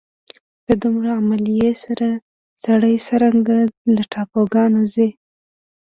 د دومره عملې سره سړی څرنګه له ټاپوګانو ځي.